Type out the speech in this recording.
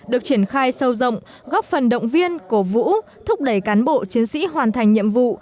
được triển khai sâu rộng góp phần động viên cổ vũ thúc đẩy cán bộ chiến sĩ hoàn thành nhiệm vụ